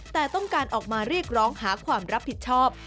แต่ต้องการออกมาเรียกร้องหาความรับผิดชอบ